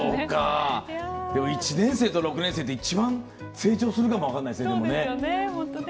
１年生と６年生って一番、成長するかも分かんないですね。